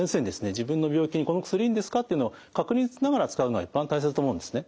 自分の病気にこの薬いいんですかっていうのを確認しながら使うのが一番大切だと思うんですね。